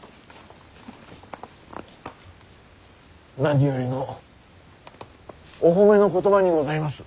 何よりのお褒めの言葉にございます。